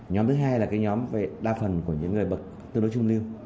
nhóm thứ hai là cái nhóm về đa phần của những người bậc tương đối chung lưu